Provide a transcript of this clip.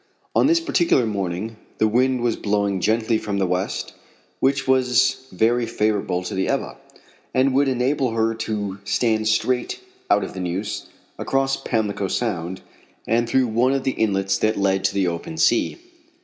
On this particular morning the wind was blowing gently from the west, which was very favorable to the Ebba, and would enable her to stand straight out of the Neuse, across Pamlico Sound, and through one of the inlets that led to the open sea.